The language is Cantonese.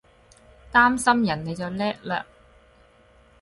擔心人你就叻喇！